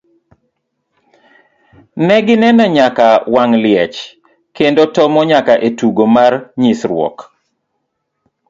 Ne gineno nyaka wang' liech kendo tomo nyaka e tugo mar nyisruok.